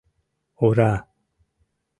Ура!!!